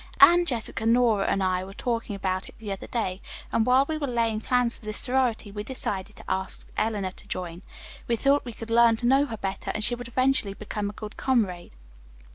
Anne, Jessica, Nora and I were talking about it the other day, and while we were laying plans for this sorority, we decided to ask Eleanor to join. We thought we could learn to know her better, and she would eventually become a good comrade."